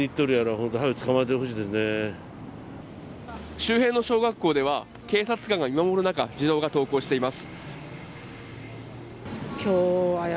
周辺の小学校では警察官が見守る中児童が登校しています。